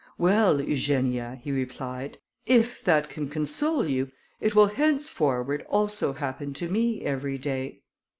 "Well, Eugenia," he replied, "if that can console you, it will henceforward also happen to me every day."